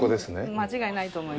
間違いないと思います。